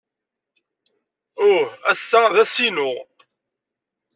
Uh! Ass-a d ass-inu.